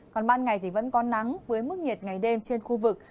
còn ban ngày thì vẫn có nắng với mức nhiệt ngày đêm trên khu vực